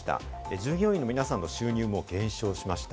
従業員の皆さんの収入も減少しました。